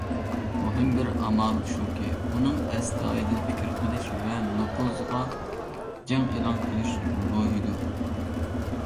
مۇھىم بىر ئامىل شۇكى، ئۇنىڭ ئەستايىدىل پىكىر قىلىش ۋە نوپۇزغا جەڭ ئېلان قىلىش روھىدۇر.